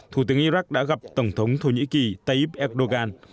thủ tướng iraq đã gặp tổng thống thổ nhĩ kỳ tayyip erdogan